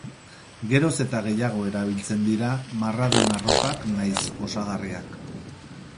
Geroz eta gehiago erabiltzen dira marradun arropak nahiz osagarriak.